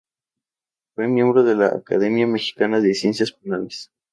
Fue miembro de la Academia Mexicana de Ciencias Penales.